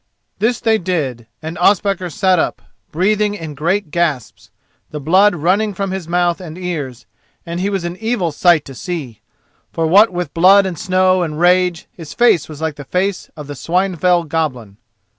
This then they did, and Ospakar sat up, breathing in great gasps, the blood running from his mouth and ears, and he was an evil sight to see, for what with blood and snow and rage his face was like the face of the Swinefell Goblin.